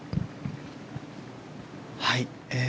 はい。